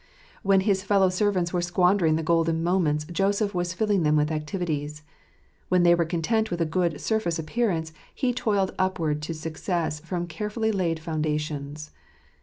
When his fellow servants were squandering the golden moments, Joseph was filling them with activities. When they were content with a good surface appearance, he toiled upward to success from carefully laid foundations.